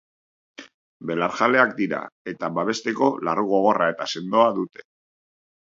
Belarjaleak dira eta babesteko larru gogorra eta sendoa dute.